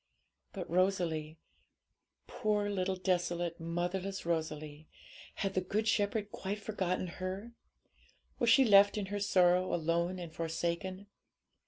But Rosalie poor little desolate, motherless Rosalie! had the Good Shepherd quite forgotten her? Was she left in her sorrow alone and forsaken?